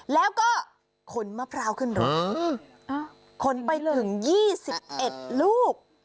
แล้วก็ขนมะพร้าวขึ้นรถขนไปถึง๒๑ลูก